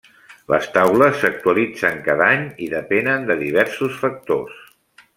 Les taules s'actualitzen cada any i depenen de diversos factors.